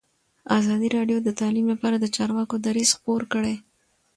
ازادي راډیو د تعلیم لپاره د چارواکو دریځ خپور کړی.